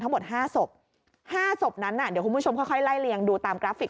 ทั้งหมด๕ศพ๕ศพนั้นน่ะเดี๋ยวคุณผู้ชมค่อยไล่เลียงดูตามกราฟิก